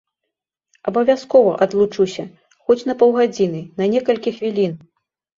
Абавязкова адлучуся хоць на паўгадзіны, на некалькі хвілін.